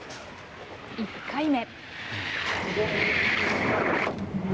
１回目。